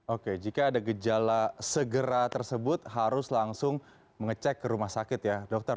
oke jika ada gejala segera tersebut harus langsung mengecek ke rumah sakit ya dokter